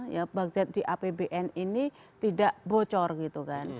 ya budget di apbn ini tidak bocor gitu kan